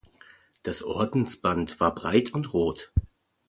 Das Ordensband war breit und rot.